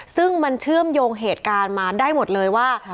ซึ่งมันเชื่อมโยงเหตุการณ์มาได้หมดเลยว่า